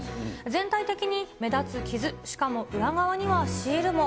全体的に目立つ傷、しかも裏側にはシールも。